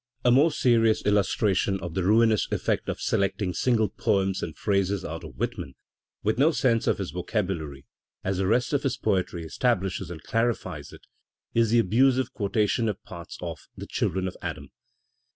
A more serious illustration of the ruinous eflFect of selecting single poems and phrases out of Whitman, with no sense of his vocabulary as the rest of his poetry establishes and clarifies it, is the abusive quotation of parts of "The Children of Adam."